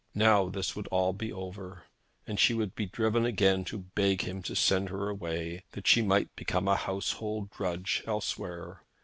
Now this would all be over, and she would be driven again to beg him to send her away, that she might become a household drudge elsewhere.